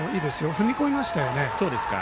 踏み込みましたよね。